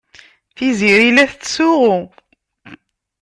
Tiziri la tettsuɣu.